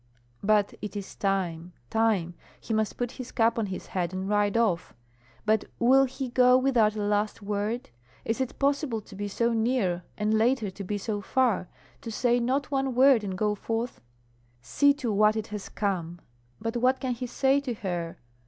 But it is time, time. He must put his cap on his head and ride off. But will he go without a last word? Is it possible to be so near and later to be so far, to say not one word and go forth? See to what it has come! But what can he say to her?